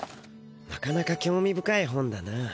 なかなかきょう味深い本だな。